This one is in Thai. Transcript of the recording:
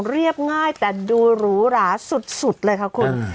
เรียบง่ายแต่ดูหรูหราสุดเลยค่ะคุณ